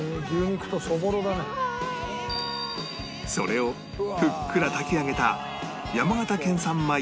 それをふっくら炊き上げた山形県産米どまんなかの上に